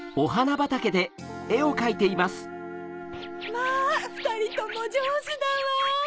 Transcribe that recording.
まぁふたりともじょうずだわ。